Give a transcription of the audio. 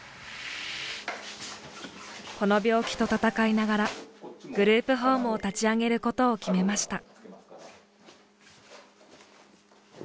この病気と闘いながらグループホームを立ち上げることを決めました。